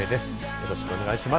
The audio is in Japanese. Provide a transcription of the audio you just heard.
よろしくお願いします。